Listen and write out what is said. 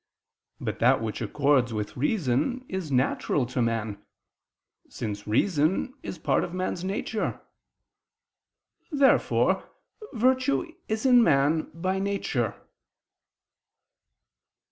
But that which accords with reason is natural to man; since reason is part of man's nature. Therefore virtue is in man by nature.